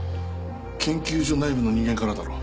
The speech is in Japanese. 研究所内部の人間からだろう。